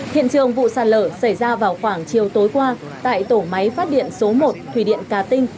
hiện trường vụ sạt lở xảy ra vào khoảng chiều tối qua tại tổ máy phát điện số một thủy điện cát tinh